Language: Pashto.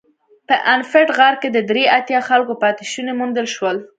په افنټ غار کې د درې اتیا خلکو پاتې شوني موندل شول.